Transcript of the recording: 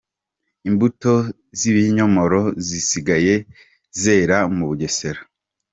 Imbuto zibinyomoro zisigaye zera mu Bugesera